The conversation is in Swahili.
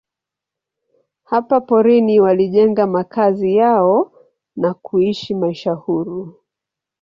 Hapa porini walijenga makazi yao na kuishi maisha huru.